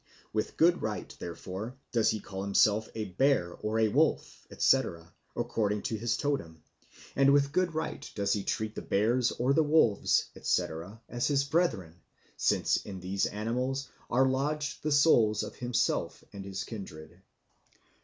With good right, therefore, does he call himself a Bear or a Wolf, etc., according to his totem; and with good right does he treat the bears or the wolves, etc., as his brethren, since in these animals are lodged the souls of himself and his kindred.